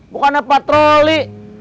bukan apa troli